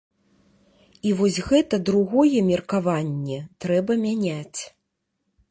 І вось гэта другое меркаванне трэба мяняць.